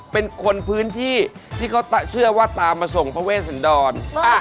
เป็นคนพื้นที่ที่เขาเชื่อว่าตามมาส่งพระเวชสันดร